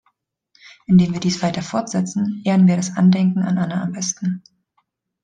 Indem wir dies weiter fortsetzen, ehren wir das Andenken an Anna am besten.